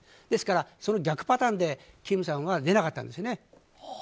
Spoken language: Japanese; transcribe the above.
ですから、その逆パターンでキムさんは出なかったんですね。